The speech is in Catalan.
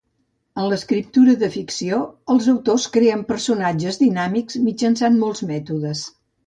En l'escriptura de ficció, els autors creen personatges dinàmics mitjançant molts mètodes.